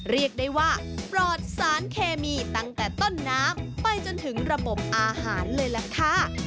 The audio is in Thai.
เรียกได้ว่าปลอดสารเคมีตั้งแต่ต้นน้ำไปจนถึงระบบอาหารเลยล่ะค่ะ